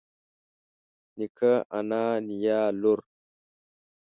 نيکه انا نيا لور